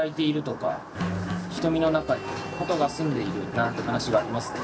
なんて話がありますね。